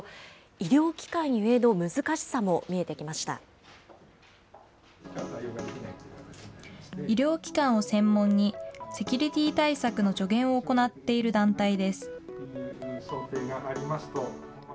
医療機関を専門に、セキュリティー対策の助言を行っている団体です。